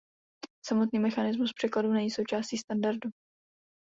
Samotný mechanismus překladu není součástí standardu.